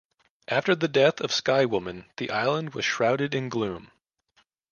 After the death of Sky Woman the island was shrouded in gloom.